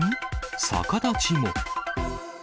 逆立ちも。